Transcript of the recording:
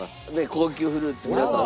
高級フルーツ皆さん